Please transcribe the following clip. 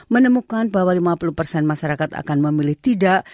menemukan bahwa lima puluh persen masyarakat akan memilih tidak